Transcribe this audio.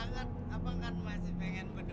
hai makyara kalau dengan peace